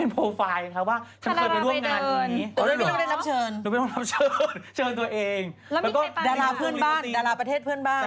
ไปเดินเพื่อ